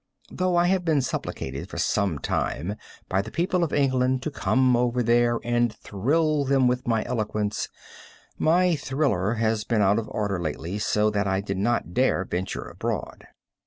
Though I have been supplicated for some time by the people of England to come over there and thrill them with my eloquence, my thriller has been out of order lately, so that I did not dare venture abroad.